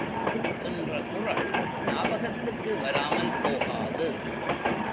என்ற குறள் ஞாபகத்துக்கு வராமல் போகாது.